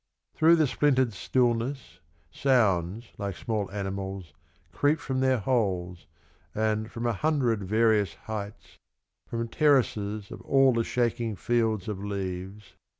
Through the splintered stillness Sounds like small animals Creep from their holes And from a hundred various heights, From terraces of all the shaking fields of leaves.